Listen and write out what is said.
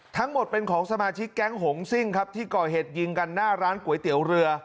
ทั้งหมดเป็นของสมาชิกแก๊งหงซิ่งครับที่ก่อเหตุยิงกันหน้าร้านก๋วยเตี๋ยวเรือ